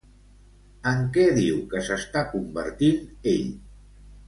En què diu que s'està convertint ell?